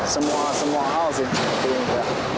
semua semua hal sih